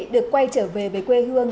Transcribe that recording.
được quay trở về với quê hương